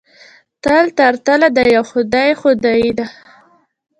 تل تر تله د یوه خدای خدایي ده.